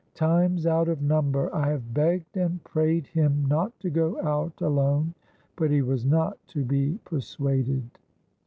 Times out of number I have begged and prayed him not to go out alone; but he was not to be persuaded."